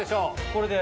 これで？